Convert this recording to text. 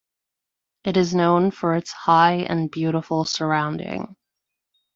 It is known for its high and beautiful surrounding.